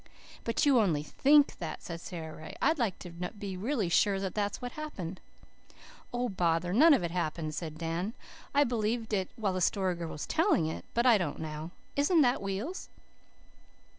"But you only THINK that," said Sara Ray. "I'd like to be really sure that was what happened." "Oh, bother, none of it happened," said Dan. "I believed it while the Story Girl was telling it, but I don't now. Isn't that wheels?"